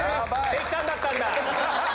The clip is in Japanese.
関さんだったんだ！